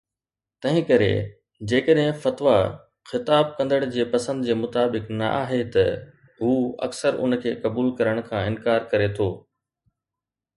تنهن ڪري، جيڪڏهن فتوي خطاب ڪندڙ جي پسند جي مطابق نه آهي، ته هو اڪثر ان کي قبول ڪرڻ کان انڪار ڪري ٿو